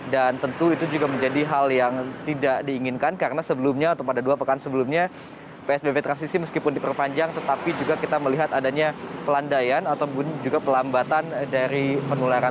dan tentu itu juga menjadi hal yang tidak diinginkan karena sebelumnya atau pada dua pekan sebelumnya psbb transisi meskipun diperpanjang tetapi juga kita melihat adanya pelandaian ataupun juga pelambatan dari penularan